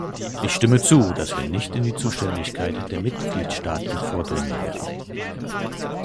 Ich stimme zu, dass wir nicht in die Zuständigkeit der Mitgliedstaaten vordringen werden.